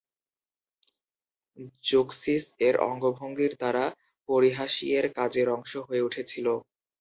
Zeuxis, এর অঙ্গভঙ্গির দ্বারা পারহাসিয়ের কাজের অংশ হয়ে উঠেছিল।